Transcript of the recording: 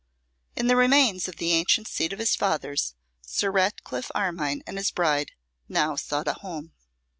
In the remains of the ancient seat of his fathers, Sir Ratcliffe Armine and his bride now sought a home.